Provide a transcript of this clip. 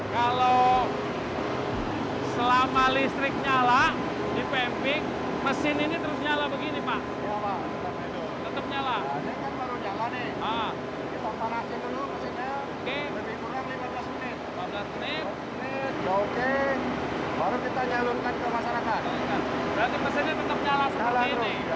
berarti mesinnya tetap nyala seperti ini sampai pagi nanti